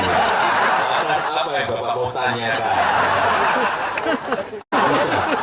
atas apa yang bapak mau tanyakan